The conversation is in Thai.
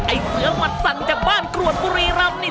เสือหมัดสั่นจากบ้านกรวดบุรีรำนี่